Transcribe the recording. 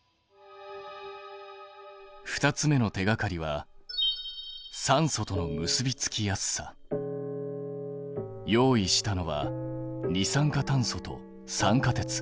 ２つ目の手がかりは用意したのは二酸化炭素と酸化鉄。